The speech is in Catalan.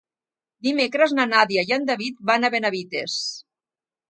Dimecres na Nàdia i en David van a Benavites.